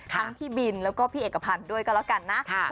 พี่บินแล้วก็พี่เอกพันธ์ด้วยก็แล้วกันนะ